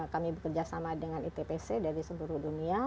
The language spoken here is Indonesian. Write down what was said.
kami bekerja sama dengan itpc dari seluruh dunia